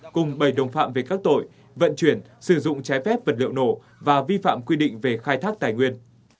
cùng bảy đồng phạm về các tội vận chuyển sử dụng trái phép vật liệu nổ và vi phạm quy định về khai thác tài nguyên